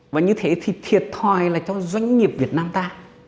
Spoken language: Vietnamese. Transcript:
và như thế thì thiệt thòi là cho doanh nghiệp việt nam ta